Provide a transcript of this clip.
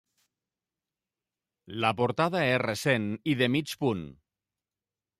La portada és recent i de mig punt.